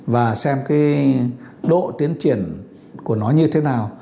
và xem cái độ tiến triển của nó như thế nào